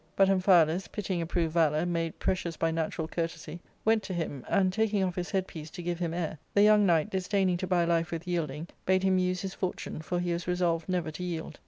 But Amphialus, pitying approved valour, made precious by natural courtesy, went to him, and taking off his headpiece to give him air, the young knight, disdaining to buy life with yielding, bad him use his fortune, for he was resolved never to yield.